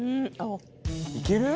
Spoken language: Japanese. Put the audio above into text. いける？